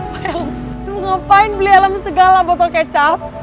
pak el lo ngapain beli alam segala botol kecap